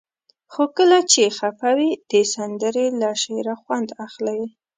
خو کله چې خفه وئ؛ د سندرې له شعره خوند اخلئ.